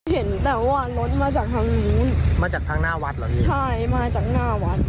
เห็นแต่ว่ารถมาจากทางนู้นมาจากทางหน้าวัดเหรอพี่ใช่มาจากหน้าวัด